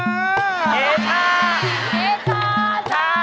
อย่าช้า